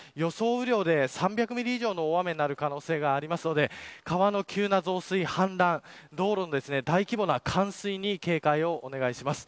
雨量で３００ミリ以上の大雨になる可能性があるので川の急な増水や、氾濫道路の大規模な冠水に警戒をお願いします。